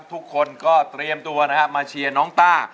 ทุกคนก็เตรียมตัวนะครับมาเชียร์น้องต้า